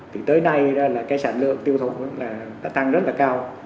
thì tới nay là sản lượng tiêu thụ đã tăng rất là nhiều